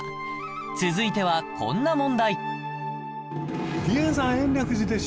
続いてはこんな問題